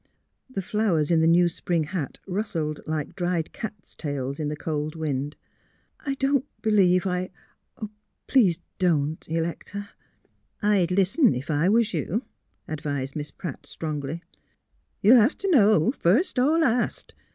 The flowers in the new spring hat rustled like dried cat tails in the cold wind. '' I don't believe I Please don't, Electa." "I'd listen, ef I was you," advised Miss Pratt, strongly. '' You'll have t' know, first er last.